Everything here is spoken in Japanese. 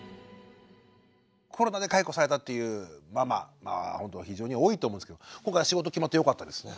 コロナで解雇されたっていうママ非常に多いと思うんですけども今回仕事決まってよかったですね。